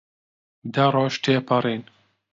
دە ڕۆژ تێپەڕین.